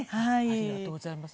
ありがとうございます。